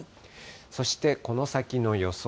そして、この先の予想